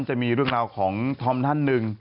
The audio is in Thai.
จะมีเรื่องราวของธอมท่านหนึ่ง